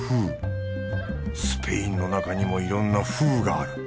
スペインのなかにもいろんな風がある。